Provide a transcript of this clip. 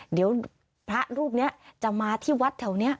เดี๋ยวพระรูปนี้จะมาที่วัดแถวนี้